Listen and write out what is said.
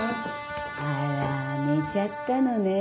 あら寝ちゃったのね。